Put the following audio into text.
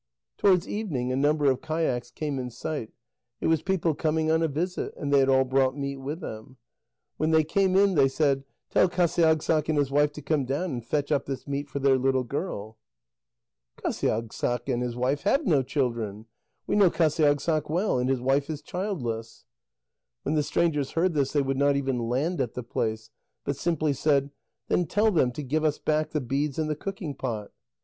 Towards evening a number of kayaks came in sight; it was people coming on a visit, and they had all brought meat with them. When they came in, they said: "Tell Qasiagssaq and his wife to come down and fetch up this meat for their little girl." "Qasiagssaq and his wife have no children; we know Qasiagssaq well, and his wife is childless." When the strangers heard this, they would not even land at the place, but simply said: "Then tell them to give us back the beads and the cooking pot."